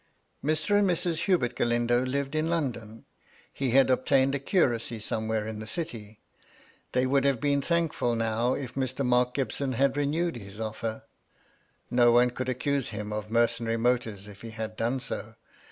Mr. and Mrs. Hubert Galindo lived in London. He had obtained a curacy somewhere in the city. They would have been thankful now if Mr. Mark Gibson had renewed his ofier. No one could accuse him of mercenary mo tives if he had done so.